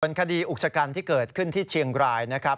คดีอุกชกันที่เกิดขึ้นที่เชียงรายนะครับ